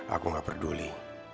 aku gak peduli